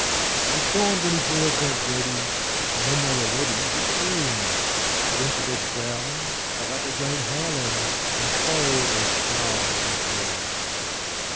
He stormed when his meals weren't ready, And when they were ready, he screamed. He went to bed growling, got up again howling And quarreled and snarled as he dreamed.